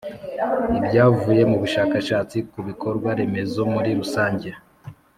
Ibyavuye mu bushakashatsi ku bikorwa remezo muri rusange